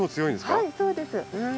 はいそうです。